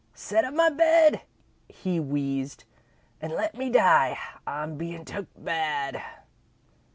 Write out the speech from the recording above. Set up my bed," he wheezed, "an' let me die. I'm bein' took bad."